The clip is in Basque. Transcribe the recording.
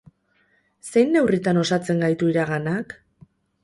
Zein neurritan osatzen gaitu iraganak?